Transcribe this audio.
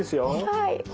はい。